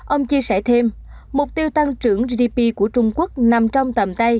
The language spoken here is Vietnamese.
ông chia sẻ thêm mục tiêu tăng trưởng gdp của trung quốc đang tăng